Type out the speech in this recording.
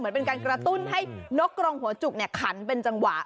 เป็นการกระตุ้นให้นกกรงหัวจุกขันเป็นจังหวะ